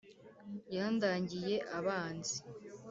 yandangiye abanzi